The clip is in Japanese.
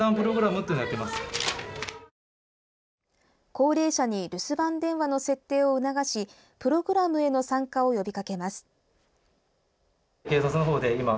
高齢者に留守番電話の設定を促しプログラムへの参加を呼びかけます。